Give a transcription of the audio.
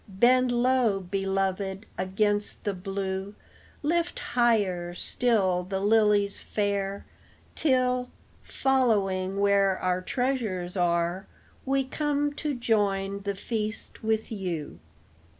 Bend low beloved, against the blue; Lift higher still the lilies fair, Till, following where our treasures are, We come to join the feast with you.